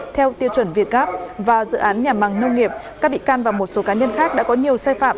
theo tiêu chuẩn việt gáp và dự án nhà màng nông nghiệp các bị can và một số cá nhân khác đã có nhiều sai phạm